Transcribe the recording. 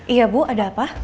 iya bu ada apa